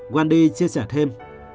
quen đi chia sẻ thêm